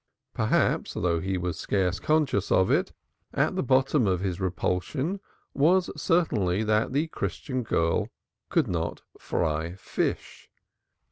Perhaps, though he was scarce conscious of it, at the bottom of his repulsion was the certainty that the Christian girl could not fry fish.